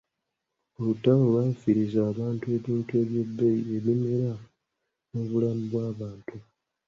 Olutalo lwafiiriza abantu ebintu eby'ebbeeyi, ebimera n'obulamu bw'abantu